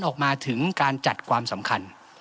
ออกมาถึงการจัดความสำคัญ